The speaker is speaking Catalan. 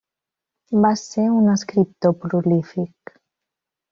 Va ser un escriptor prolífic.